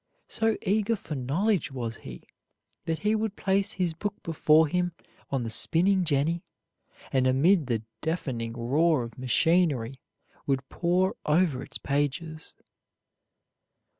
So eager for knowledge was he, that he would place his book before him on the spinning jenny, and amid the deafening roar of machinery would pore over its pages.